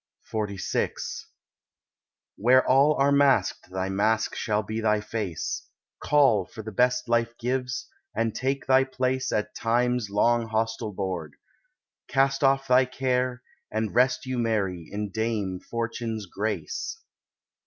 XLVI "Where all are masked thy mask shall be thy face, Call for the best life gives, and take thy place At Time's long hostel board; cast off thy care, And rest you merry in dame Fortune's grace.